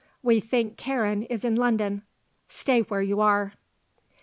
We think Karen is in London. Stay where you are."